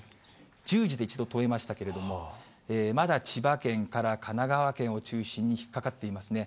１０時で一度止めましたけれども、まだ千葉県から神奈川県を中心に、引っ掛かっていますね。